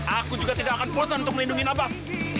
aku juga tidak akan bosan untuk melindungi nafas